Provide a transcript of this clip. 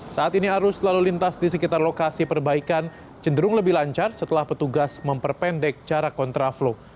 saat ini arus lalu lintas di sekitar lokasi perbaikan cenderung lebih lancar setelah petugas memperpendek cara kontraflow